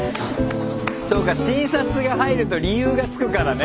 そっか診察が入ると理由がつくからね。